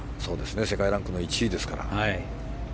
世界ランクの１位ですから。